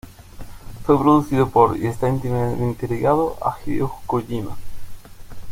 Fue producido por, y esta íntimamente ligado, a Hideo Kojima.